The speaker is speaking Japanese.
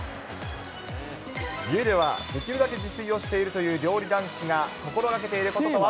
家ではできるだけ自炊をしているという料理男子が心がけていることとは。